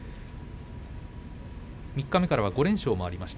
三日目からは５連勝もありました。